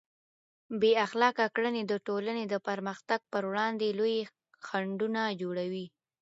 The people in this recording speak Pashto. بې اخلاقه کړنې د ټولنې د پرمختګ پر وړاندې لوی خنډونه جوړوي.